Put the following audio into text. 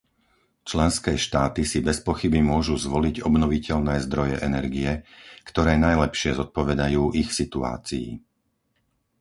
Členské štáty si bezpochyby môžu zvoliť obnoviteľné zdroje energie, ktoré najlepšie zodpovedajú ich situácii.